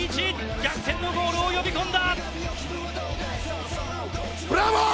逆転のゴールを呼び込んだ！